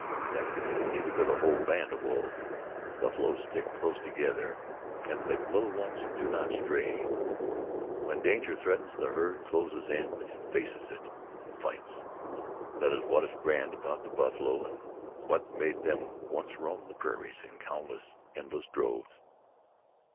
Never. Neither could a whole band of wolves. Buffalo stick close together, and the little ones do not stray. When danger threatens, the herd closes in and faces it and fights. That is what is grand about the buffalo and what made them once roam the prairies in countless, endless droves."